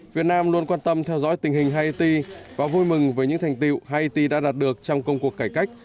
việt nam luôn quan tâm theo dõi tình hình hait và vui mừng với những thành tiệu haiti đã đạt được trong công cuộc cải cách